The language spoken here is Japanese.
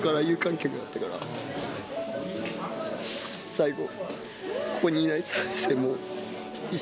最後。